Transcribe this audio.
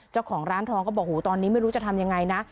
เจ้าของร้านทองก็บอกโหตอนนี้ไม่รู้จะทำยังไงนะ